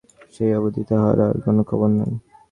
সেই অবধি তাহার আর কোন খবর নাই।